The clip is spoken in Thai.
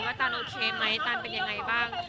ตันโอเคไหมตานเป็นยังไงบ้าง